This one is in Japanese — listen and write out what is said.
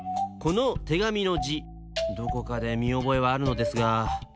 このてがみのじどこかでみおぼえはあるのですが。